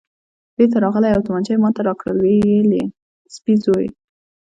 بېرته راغلی او تومانچه یې ما ته راکړل، ویې ویل: د سپي زوی.